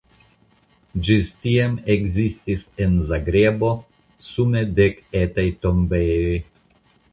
Ĝis tiam ekzistis en Zagrebo sume dek etaj tombejoj.